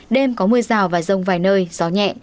đêm có mưa rào và rông vài nơi gió nhẹ